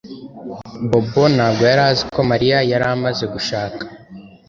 Bobo ntabwo yari azi ko Mariya yari amaze gushaka